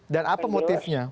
dan apa motifnya